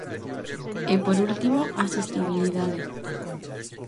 E por último, a sostibilidade.